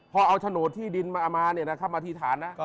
พอเอาโฉนดที่ดินมาเนี่ยนะครับมาอธิษฐานนะ